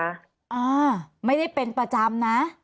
อ่าไม่ได้เป็นประจำนะ